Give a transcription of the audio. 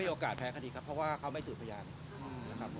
โอกาสแพ้คดีครับเพราะว่าเขาไม่สืบพยานนะครับ